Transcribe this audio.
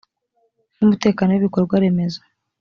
n umutekano w ibikorwa remezo